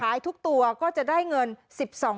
ขายทุกตัวก็จะได้เงิน๑๒ล้าน